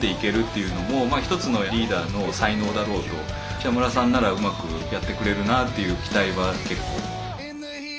北村さんならうまくやってくれるなっていう期待は結構。